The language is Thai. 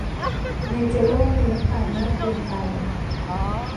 ในเจลโล่มีน้ำตาลมากเกินไป